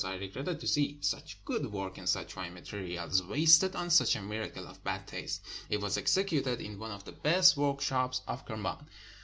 I regretted to see such good work and such fine materials wasted on such a miracle of bad taste. It was executed in one of the best workshops of Kerman.